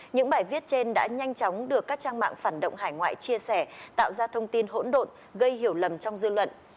những bài viết trên đã nhanh chóng được các trang mạng phản động hải ngoại chia sẻ tạo ra thông tin hỗn độn gây hiểu lầm trong dư luận